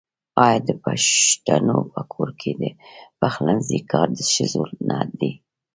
آیا د پښتنو په کور کې د پخلنځي کار د ښځو نه دی؟